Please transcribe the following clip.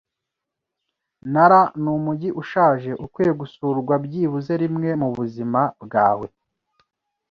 Nara numujyi ushaje ukwiye gusurwa byibuze rimwe mubuzima bwawe.